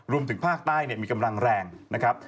รวมถึงภาคใต้มีกำลังแรงนะครับ